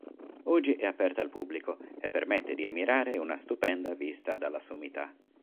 Oggi è aperta al pubblico e permette di ammirare una stupenda vista dalla sommità.